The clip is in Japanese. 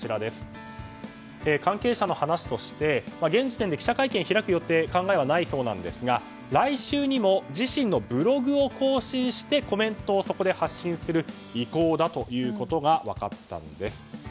関係者の話として現時点で記者会見を開く予定や考えはないそうですが来週にも自身のブログを更新してコメントをそこで発信する意向だということが分かったんです。